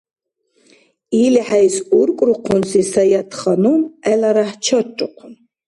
ИлхӀейс уркӀрухъунси Саятханум гӀеларяхӀ чаррухъун.